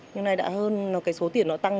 nhưng nay đã hơn cái số tiền nó tăng